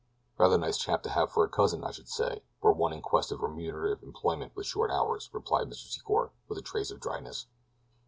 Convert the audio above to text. "Rather nice chap to have for a cousin, I should say, were one in quest of remunerative employment with short hours," replied Mr. Secor with a trace of dryness.